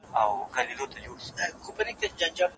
په دې وخت کي ذهن پلټونکی وي.